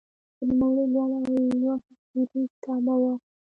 د نوموړي لوړه او خوږه شعري طبعه وه.